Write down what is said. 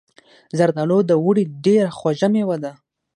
زردالو د اوړي ډیره خوږه میوه ده.